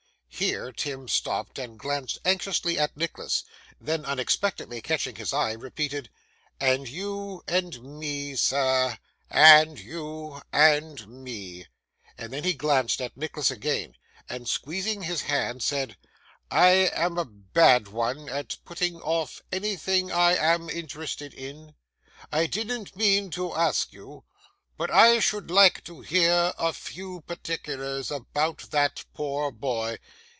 Here, Tim stopped and glanced anxiously at Nicholas; then unexpectedly catching his eye repeated, 'And you and me, sir, and you and me.' And then he glanced at Nicholas again, and, squeezing his hand, said, 'I am a bad one at putting off anything I am interested in. I didn't mean to ask you, but I should like to hear a few particulars about that poor boy.